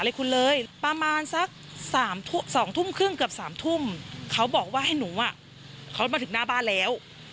อะไรคุณเลยประมาณสักสามทุ่มสองทุ่มครึ่งเกือบสามทุ่มเขาบอกว่าให้หนูอ่ะเขามาถึงหน้าบ้านแล้ว